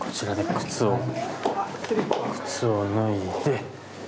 靴を脱いで。